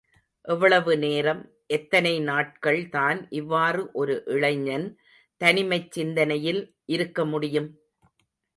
எவ்வளவு நேரம், எத்தனை நாட்கள் தான் இவ்வாறு ஒரு இளைஞன் தனிமைச் சிந்தனையில் இருக்க முடியும்?